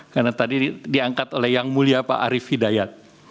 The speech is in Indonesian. karena tadi diangkat oleh yang mulia pak arief hidayat